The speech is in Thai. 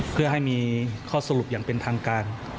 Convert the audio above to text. เพื่อให้มีข้อสรุปอย่างเป็นทางการ